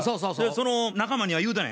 その仲間には言うたんや？